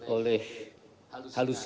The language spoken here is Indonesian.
oleh halusinasi ya